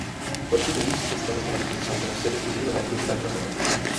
Por tudo isso, precisamos de uma definição que não seja exclusiva da identidade nacional.